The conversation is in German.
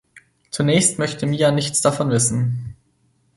Zunächst möchte Mia nichts davon wissen.